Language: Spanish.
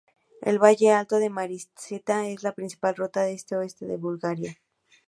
El valle alto del Maritsa es la principal ruta este-oeste de Bulgaria.